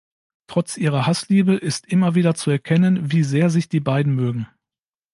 Trotz ihrer Hassliebe ist immer wieder zu erkennen, wie sehr sich die beiden mögen.